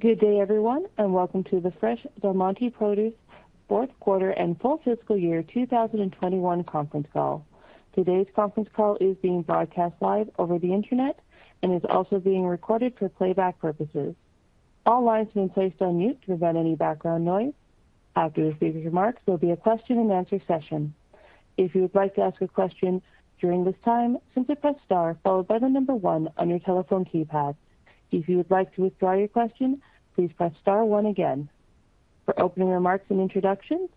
Good day, everyone, and welcome to the Fresh Del Monte Produce fourth quarter and full fiscal year 2021 conference call. Today's conference call is being broadcast live over the Internet and is also being recorded for playback purposes. All lines have been placed on mute to prevent any background noise. After the opening remarks, there will be a question-and-answer session. If you would like to ask a question during this time, simply press star followed by the number one on your telephone keypad. If you would like to withdraw your question, please press star-one again. For opening remarks and introductions,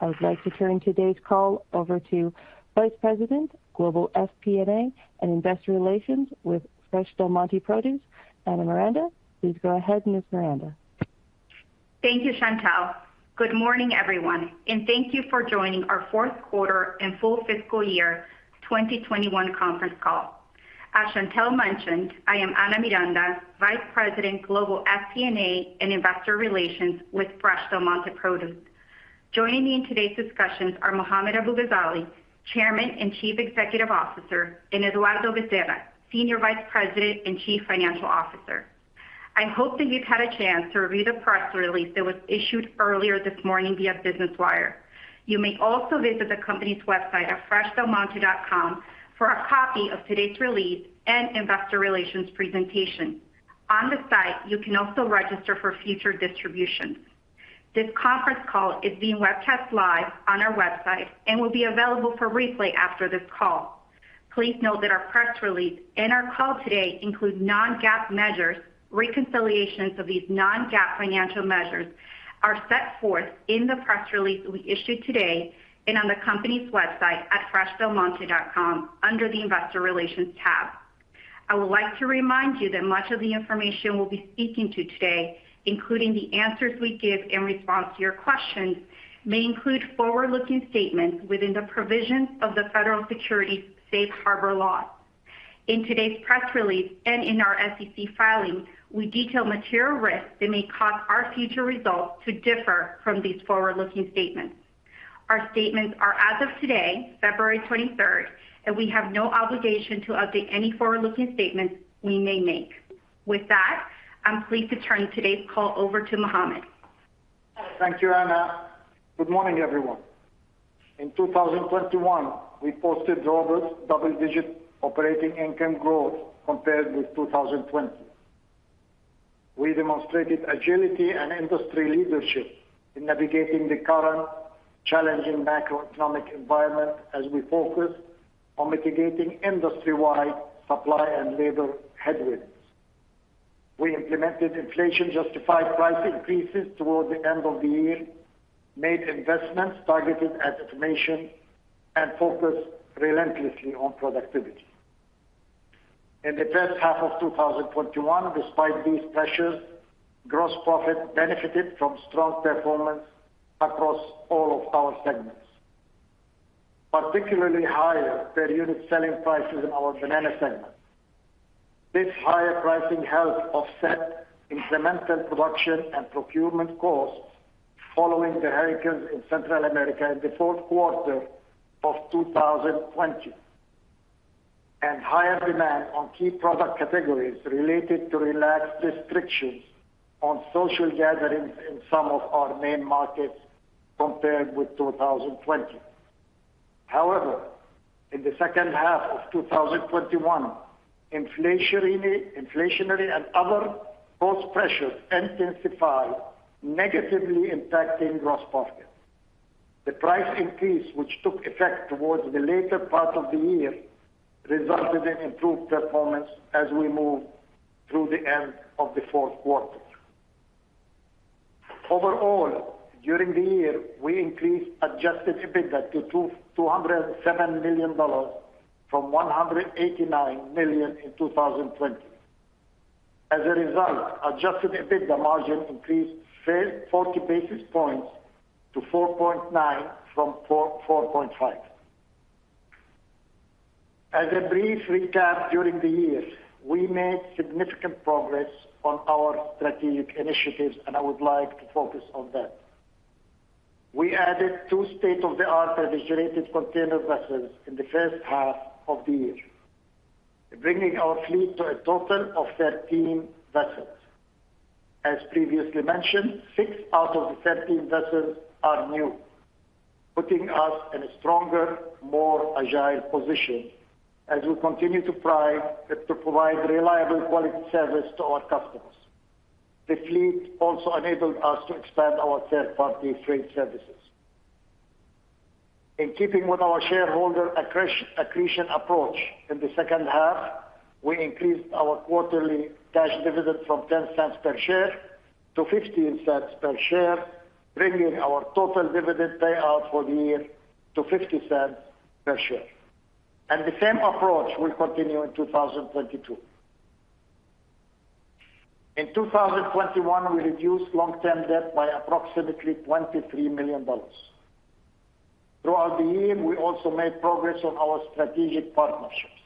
I would like to turn today's call over to Vice President, Global FP&A, and Investor Relations with Fresh Del Monte Produce, Ana Miranda. Please go ahead, Ms. Miranda. Thank you, Chantal. Good morning, everyone, and thank you for joining our fourth quarter and full fiscal year 2021 conference call. As Chantal mentioned, I am Ana Miranda, Vice President, Global FP&A, and Investor Relations with Fresh Del Monte Produce. Joining me in today's discussions are Mohammad Abu-Ghazaleh, Chairman and Chief Executive Officer, and Eduardo Bezerra, Senior Vice President and Chief Financial Officer. I hope that you've had a chance to review the press release that was issued earlier this morning via Business Wire. You may also visit the company's website at freshdelmonte.com for a copy of today's release and investor relations presentation. On the site, you can also register for future distributions. This conference call is being webcast live on our website and will be available for replay after this call. Please note that our press release and our call today include non-GAAP measures. Reconciliations of these non-GAAP financial measures are set forth in the press release we issued today and on the company's website at freshdelmonte.com under the Investor Relations tab. I would like to remind you that much of the information we'll be speaking to today, including the answers we give in response to your questions, may include forward-looking statements within the safe harbor provisions of the federal securities laws. In today's press release and in our SEC filings, we detail material risks that may cause our future results to differ from these forward-looking statements. Our statements are as of today, February 23rd, and we have no obligation to update any forward-looking statements we may make. With that, I'm pleased to turn today's call over to Mohammad. Thank you, Ana. Good morning, everyone. In 2021, we posted robust double-digit operating income growth compared with 2020. We demonstrated agility and industry leadership in navigating the current challenging macroeconomic environment as we focus on mitigating industry-wide supply and labor headwinds. We implemented inflation-justified price increases towards the end of the year, made investments targeted at information and focused relentlessly on productivity. In the first half of 2021, despite these pressures, gross profit benefited from strong performance across all of our segments, particularly higher per unit selling prices in our banana segment. This higher pricing helped offset incremental production and procurement costs following the hurricanes in Central America in the fourth quarter of 2020, and higher demand on key product categories related to relaxed restrictions on social gatherings in some of our main markets compared with 2020. However, in the second half of 2021, inflationary and other cost pressures intensified, negatively impacting gross profit. The price increase, which took effect towards the later part of the year, resulted in improved performance as we moved through the end of the fourth quarter. Overall, during the year, we increased adjusted EBITDA to $207 million from $189 million in 2020. As a result, adjusted EBITDA margin increased 40 basis points to 4.9% from 4.5%. As a brief recap, during the year, we made significant progress on our strategic initiatives, and I would like to focus on that. We added two state-of-the-art refrigerated container vessels in the first half of the year, bringing our fleet to a total of 13 vessels. As previously mentioned, six out of the 13 vessels are new, putting us in a stronger, more agile position as we continue to provide reliable quality service to our customers. The fleet also enabled us to expand our third-party freight services. In keeping with our shareholder accretion approach in the second half, we increased our quarterly cash dividend from $0.10 per share to $0.15 per share, bringing our total dividend payout for the year to $0.50 per share. The same approach will continue in 2022. In 2021, we reduced long-term debt by approximately $23 million. Throughout the year, we also made progress on our strategic partnerships.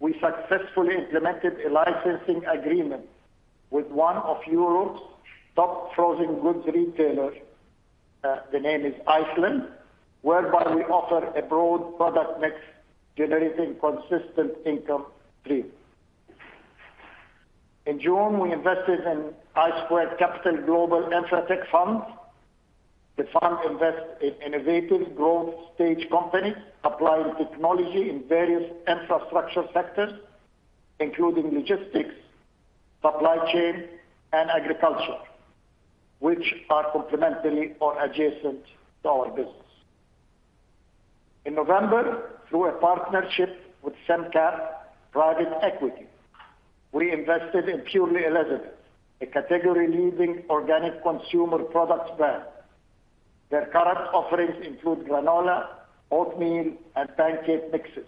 We successfully implemented a licensing agreement with one of Europe's top frozen goods retailers. The name is Iceland, whereby we offer a broad product mix generating consistent income stream. In June, we invested in ISQ Global InfraTech Fund. The fund invests in innovative growth stage companies applying technology in various infrastructure sectors, including logistics, supply chain, and agriculture, which are complementary or adjacent to our business. In November, through a partnership with SEMCAP, we invested in Purely Elizabeth, a category-leading organic consumer products brand. Their current offerings include granola, oatmeal, and pancake mixes.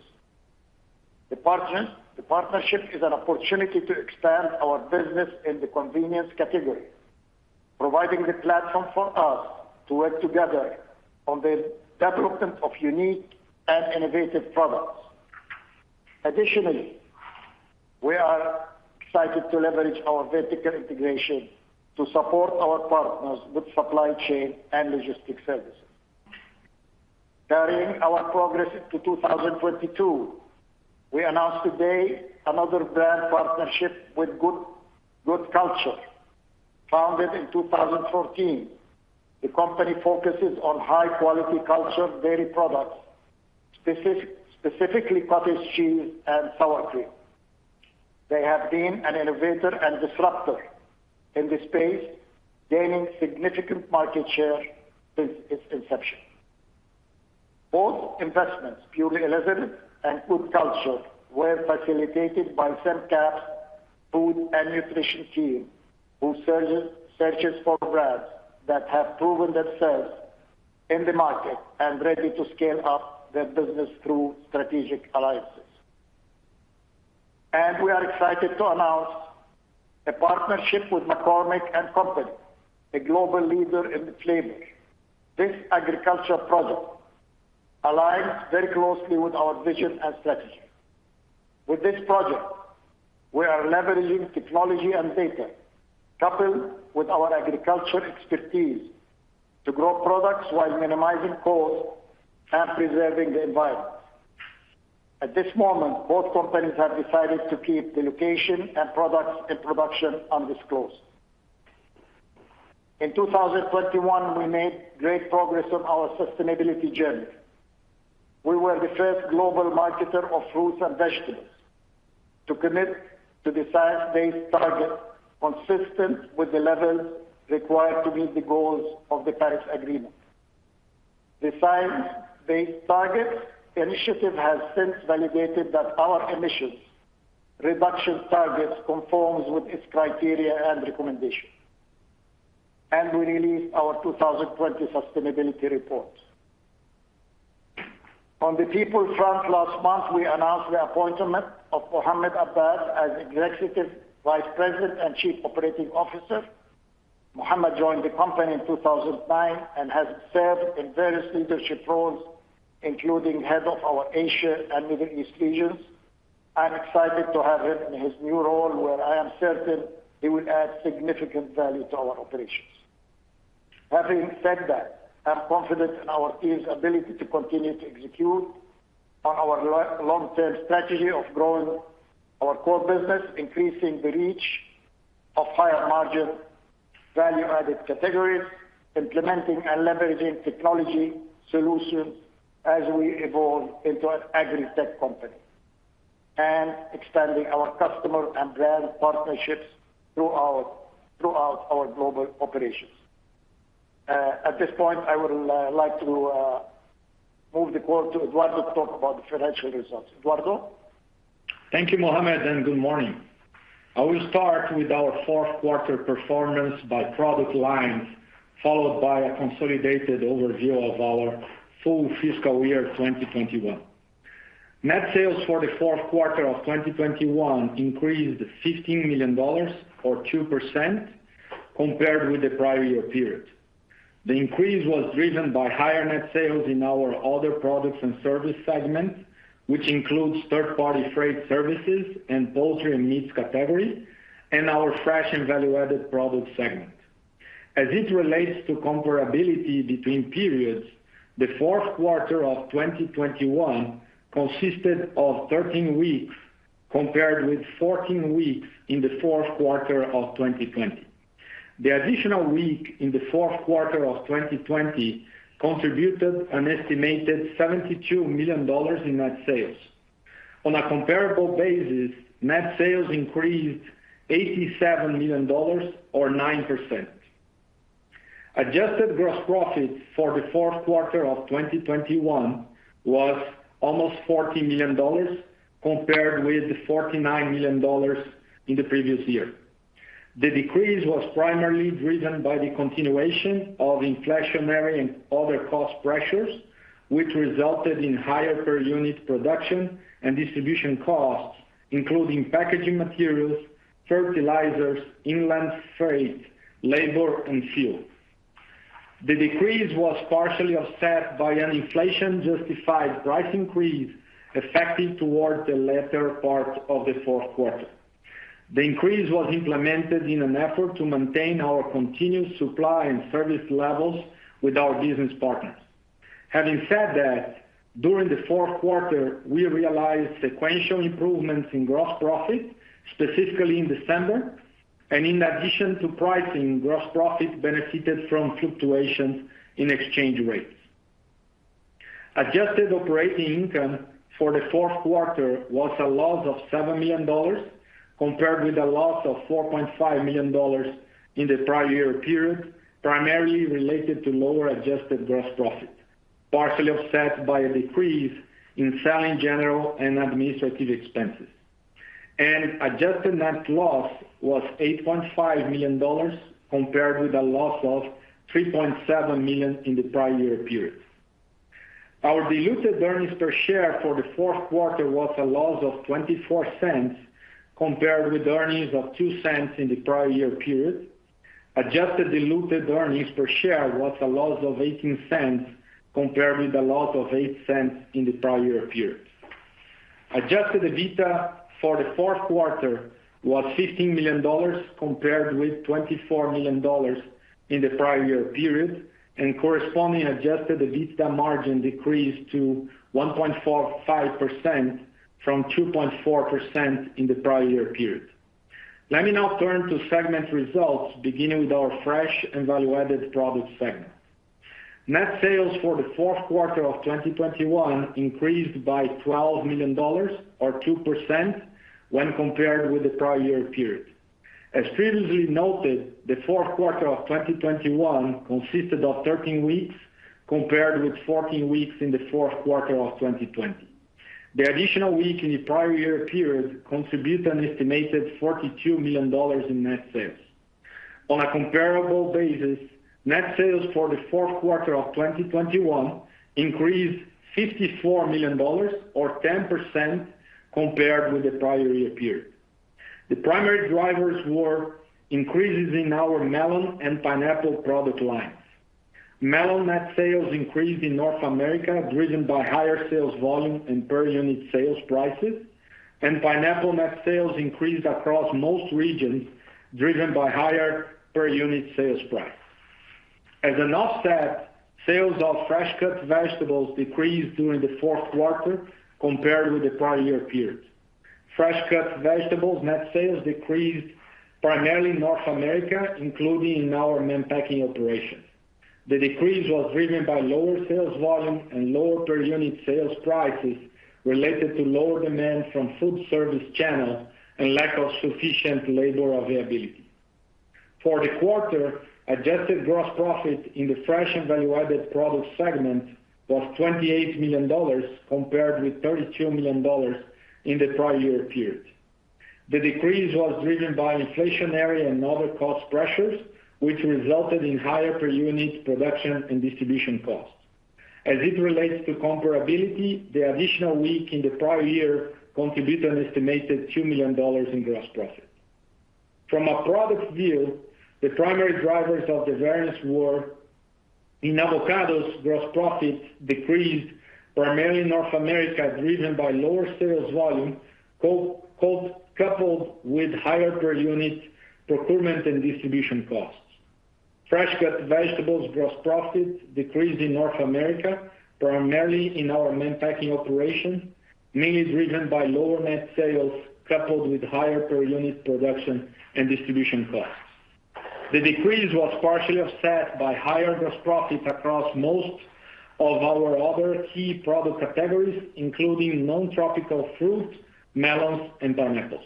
The partnership is an opportunity to expand our business in the convenience category, providing the platform for us to work together on the development of unique and innovative products. Additionally, we are excited to leverage our vertical integration to support our partners with supply chain and logistics services. Carrying our progress into 2022, we announced today another brand partnership with Good Culture. Founded in 2014, the company focuses on high quality cultured dairy products, specifically cottage cheese and sour cream. They have been an innovator and disruptor in this space, gaining significant market share since its inception. Both investments, Purely Elizabeth and Good Culture, were facilitated by SEMCAP's food and nutrition team, who searches for brands that have proven themselves in the market and ready to scale up their business through strategic alliances. We are excited to announce a partnership with McCormick & Company, a global leader in flavor. This agriculture project aligns very closely with our vision and strategy. With this project, we are leveraging technology and data, coupled with our agriculture expertise, to grow products while minimizing costs and preserving the environment. At this moment, both companies have decided to keep the location and products in production undisclosed. In 2021, we made great progress on our sustainability journey. We were the first global marketer of fruits and vegetables to commit to the Science-Based Targets consistent with the levels required to meet the goals of the Paris Agreement. The Science Based Targets initiative has since validated that our emissions reduction targets conforms with its criteria and recommendations. We released our 2020 sustainability report. On the people front, last month, we announced the appointment of Mohammed Abbas as Executive Vice President and Chief Operating Officer. Mohammed joined the company in 2009 and has served in various leadership roles, including head of our Asia and Middle East regions. I'm excited to have him in his new role, where I am certain he will add significant value to our operations. Having said that, I have confidence in our team's ability to continue to execute on our long-term strategy of growing our core business, increasing the reach of higher margin value-added categories, implementing and leveraging technology solutions as we evolve into an agri-tech company, and expanding our customer and brand partnerships throughout our global operations. At this point, I would like to move the call to Eduardo to talk about the financial results. Eduardo? Thank you, Mohammad, and good morning. I will start with our fourth quarter performance by product lines, followed by a consolidated overview of our full fiscal year 2021. Net sales for the fourth quarter of 2021 increased $15 million or 2% compared with the prior year period. The increase was driven by higher net sales in our other products and service segments, which includes third-party freight services and poultry and meats category, and our fresh and value-added product segment. As it relates to comparability between periods, the fourth quarter of 2021 consisted of 13 weeks, compared with 14 weeks in the fourth quarter of 2020. The additional week in the fourth quarter of 2020 contributed an estimated $72 million in net sales. On a comparable basis, net sales increased $87 million or 9%. Adjusted gross profit for the fourth quarter of 2021 was almost $40 million, compared with $49 million in the previous year. The decrease was primarily driven by the continuation of inflationary and other cost pressures, which resulted in higher per unit production and distribution costs, including packaging materials, fertilizers, inland freight, labor, and fuel. The decrease was partially offset by an inflation-justified price increase effective toward the latter part of the fourth quarter. The increase was implemented in an effort to maintain our continued supply and service levels with our business partners. Having said that, during the fourth quarter, we realized sequential improvements in gross profit, specifically in December, and in addition to pricing, gross profit benefited from fluctuations in exchange rates. Adjusted operating income for the fourth quarter was a loss of $7 million compared with a loss of $4.5 million in the prior year period, primarily related to lower adjusted gross profit, partially offset by a decrease in selling, general and administrative expenses. Adjusted net loss was $8.5 million compared with a loss of $3.7 million in the prior year period. Our diluted earnings per share for the fourth quarter was a loss of $0.24 compared with earnings of $0.02 in the prior year period. Adjusted diluted earnings per share was a loss of $0.18 compared with a loss of $0.08 in the prior year period. Adjusted EBITDA for the fourth quarter was $15 million compared with $24 million in the prior year period, and corresponding adjusted EBITDA margin decreased to 1.45% from 2.4% in the prior year period. Let me now turn to segment results, beginning with our fresh and value-added products segment. Net sales for the fourth quarter of 2021 increased by $12 million or 2% when compared with the prior year period. As previously noted, the fourth quarter of 2021 consisted of 13 weeks compared with 14 weeks in the fourth quarter of 2020. The additional week in the prior year period contributed an estimated $42 million in net sales. On a comparable basis, net sales for the fourth quarter of 2021 increased $54 million or 10% compared with the prior year period. The primary drivers were increases in our melon and pineapple product lines. Melon net sales increased in North America, driven by higher sales volume and per unit sales prices. Pineapple net sales increased across most regions, driven by higher per unit sales price. As an offset, sales of fresh-cut vegetables decreased during the fourth quarter compared with the prior year period. Fresh-cut vegetables net sales decreased primarily in North America, including in our main packing operations. The decrease was driven by lower sales volume and lower per unit sales prices related to lower demand from food service channels and lack of sufficient labor availability. For the quarter, adjusted gross profit in the fresh and value-added products segment was $28 million compared with $32 million in the prior year period. The decrease was driven by inflationary and other cost pressures, which resulted in higher per unit production and distribution costs. As it relates to comparability, the additional week in the prior year contributed an estimated $2 million in gross profit. From a product view, the primary drivers of the variance were in avocados, gross profit decreased primarily in North America, driven by lower sales volume coupled with higher per unit procurement and distribution costs. Fresh-cut vegetables gross profit decreased in North America, primarily in our main packing operation, mainly driven by lower net sales coupled with higher per unit production and distribution costs. The decrease was partially offset by higher gross profit across most of our other key product categories, including non-tropical fruits, melons, and pineapples.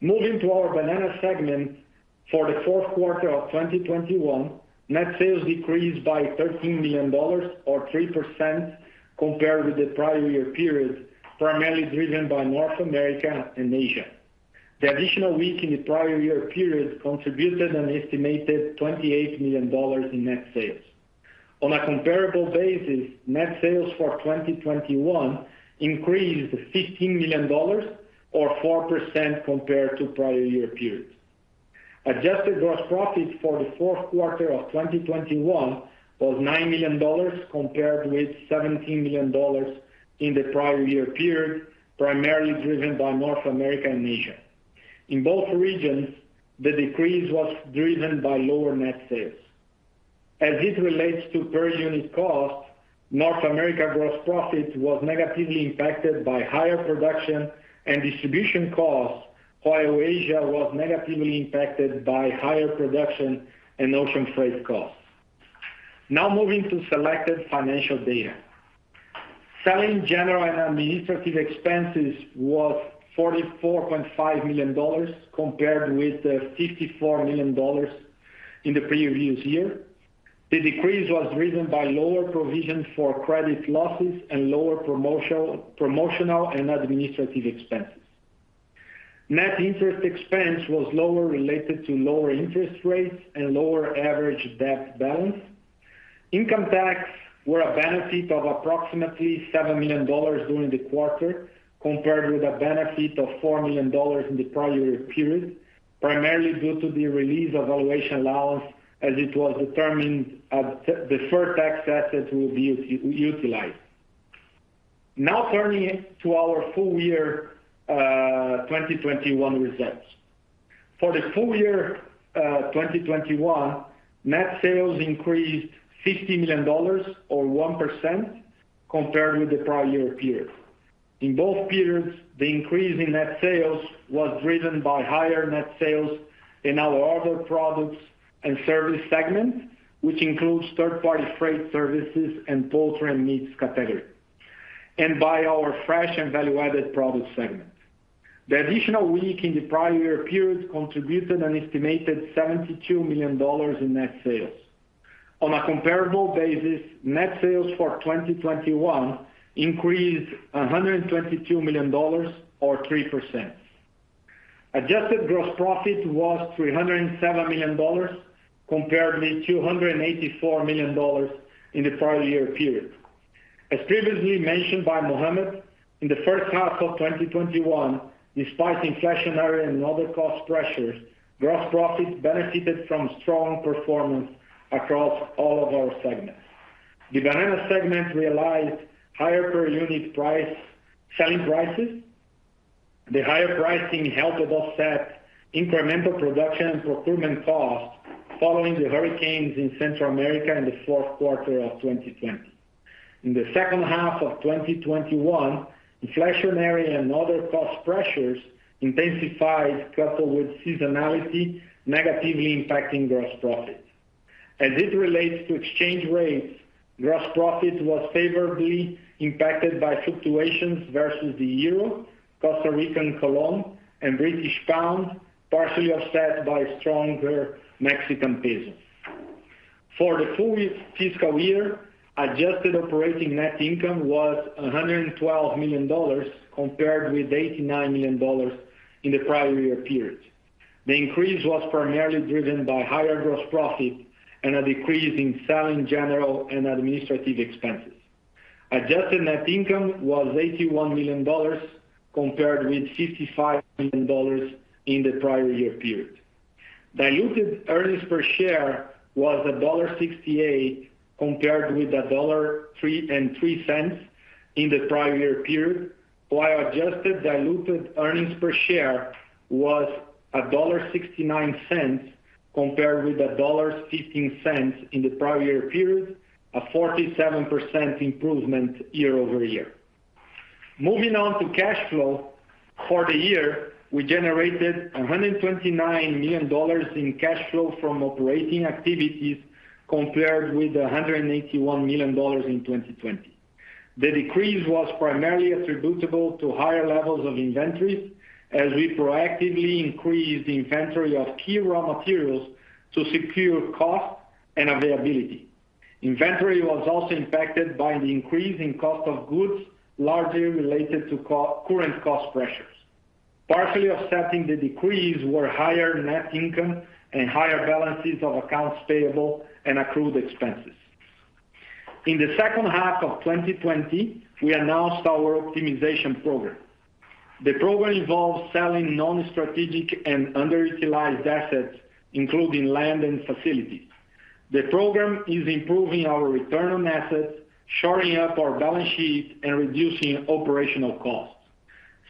Moving to our banana segment. For the fourth quarter of 2021, net sales decreased by $13 million or 3% compared with the prior year period, primarily driven by North America and Asia. The additional week in the prior year period contributed an estimated $28 million in net sales. On a comparable basis, net sales for 2021 increased $15 million or 4% compared to prior year period. Adjusted gross profit for the fourth quarter of 2021 was $9 million compared with $17 million in the prior year period, primarily driven by North America and Asia. In both regions, the decrease was driven by lower net sales. As it relates to per unit cost, North America gross profit was negatively impacted by higher production and distribution costs, while Asia was negatively impacted by higher production and ocean freight costs. Now moving to selected financial data. Selling, general, and administrative expenses was $44.5 million compared with $54 million in the previous year. The decrease was driven by lower provision for credit losses and lower promotional and administrative expenses. Net interest expense was lower related to lower interest rates and lower average debt balance. Income tax were a benefit of approximately $7 million during the quarter, compared with a benefit of $4 million in the prior year period, primarily due to the release of valuation allowance as it was determined a deferred tax asset will be utilized. Now turning to our full year 2021 results. For the full year 2021, net sales increased $60 million or 1% compared with the prior year period. In both periods, the increase in net sales was driven by higher net sales in our other products and service segment, which includes third-party freight services and poultry and meats category, and by our fresh and value-added product segment. The additional week in the prior year period contributed an estimated $72 million in net sales. On a comparable basis, net sales for 2021 increased $122 million or 3%. Adjusted gross profit was $307 million compared with $284 million in the prior year period. As previously mentioned by Mohammed, in the first half of 2021, despite inflationary and other cost pressures, gross profit benefited from strong performance across all of our segments. The banana segment realized higher per unit selling prices. The higher pricing helped to offset incremental production and procurement costs following the hurricanes in Central America in the fourth quarter of 2020. In the second half of 2021, inflationary and other cost pressures intensified, coupled with seasonality, negatively impacting gross profit. As it relates to exchange rates, gross profit was favorably impacted by fluctuations versus the Euro, Costa Rican colon, and British pound, partially offset by stronger Mexican pesos. For the full fiscal year, adjusted operating net income was $112 million, compared with $89 million in the prior year period. The increase was primarily driven by higher gross profit and a decrease in selling, general, and administrative expenses. Adjusted net income was $81 million compared with $55 million in the prior year period. Diluted earnings per share was $1.68 compared with $1.33 in the prior year period, while adjusted diluted earnings per share was $1.69 compared with $1.15 in the prior year period, a 47% improvement year-over-year. Moving on to cash flow. For the year, we generated $129 million in cash flow from operating activities compared with $181 million in 2020. The decrease was primarily attributable to higher levels of inventory as we proactively increased the inventory of key raw materials to secure cost and availability. Inventory was also impacted by the increase in cost of goods, largely related to co-current cost pressures. Partially offsetting the decrease were higher net income and higher balances of accounts payable and accrued expenses. In the second half of 2020, we announced our optimization program. The program involves selling non-strategic and underutilized assets, including land and facilities. The program is improving our return on assets, shoring up our balance sheet, and reducing operational costs.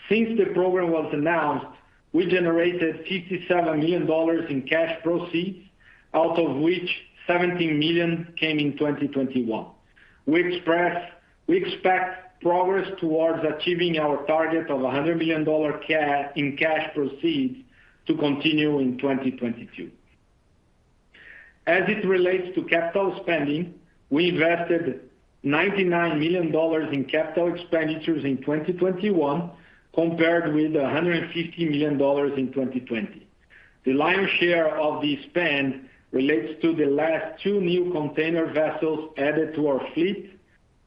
Since the program was announced, we generated $57 million in cash proceeds, out of which $17 million came in 2021. We expect progress towards achieving our target of $100 million in cash proceeds to continue in 2022. As it relates to capital spending, we invested $99 million in capital expenditures in 2021 compared with $150 million in 2020. The lion's share of the spend relates to the last two new container vessels added to our fleet,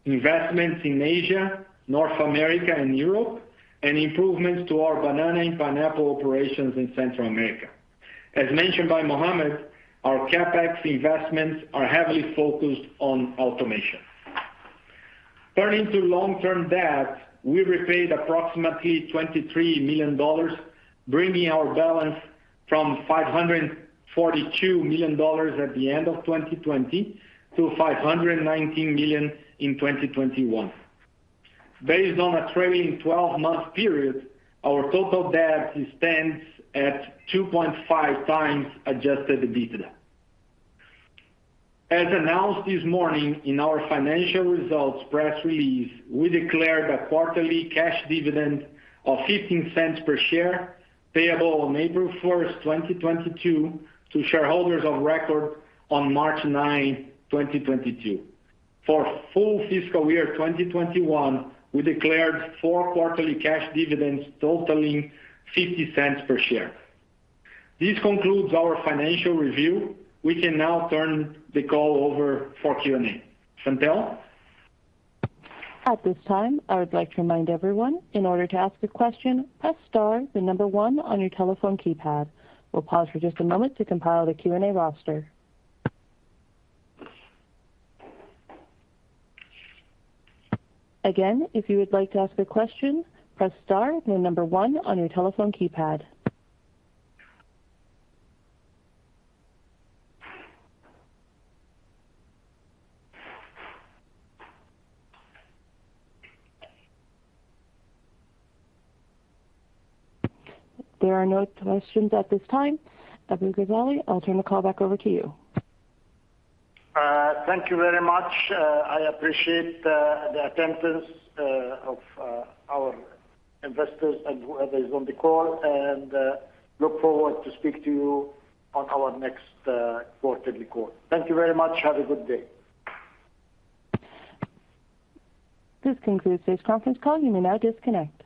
investments in Asia, North America, and Europe, and improvements to our banana and pineapple operations in Central America. As mentioned by Mohammed, our CapEx investments are heavily focused on automation. Turning to long-term debt, we repaid approximately $23 million, bringing our balance from $542 million at the end of 2020 to $519 million in 2021. Based on a trailing 12-month period, our total debt stands at 2.5x adjusted EBITDA. As announced this morning in our financial results press release, we declared a quarterly cash dividend of $0.15 per share, payable on April 1st, 2022 to shareholders of record on March 9, 2022. For full fiscal year 2021, we declared four quarterly cash dividends totaling $0.50 per share. This concludes our financial review. We can now turn the call over for Q&A. Chantal? At this time, I would like to remind everyone, in order to ask a question, press star then number one on your telephone keypad. We'll pause for just a moment to compile the Q&A roster. Again, if you would like to ask a question, press star, then number one on your telephone keypad. There are no questions at this time. Mohammad Abu-Ghazaleh, I'll turn the call back over to you. Thank you very much. I appreciate the attendance of our investors and whoever is on the call, and look forward to speak to you on our next quarterly call. Thank you very much. Have a good day. This concludes today's conference call. You may now disconnect.